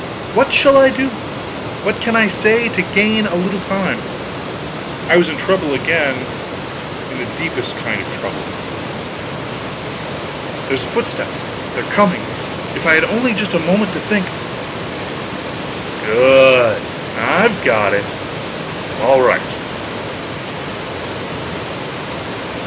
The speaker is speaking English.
"What shall I do? what can I say, to gain a little time?" I was in trouble again; in the deepest kind of trouble... "There's a footstep! they're coming. If I had only just a moment to think.... Good, I've got it. I'm all right."